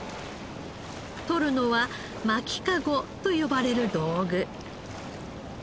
取るのはまきカゴと呼ばれる道具。